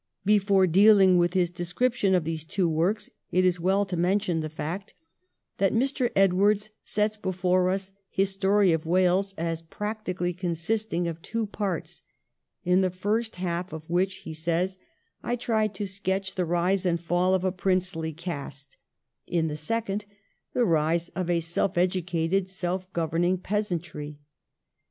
Before dealing with his description of these two works, it is well to mention the fact that Mr. Edwards sets before us his story of Wales as practically consisting of two parts ; in the first half of which, he says, ' I tried to sketch the rise and fall of a princely caste ; in the second the rise of a self educated, self governing peasantry.'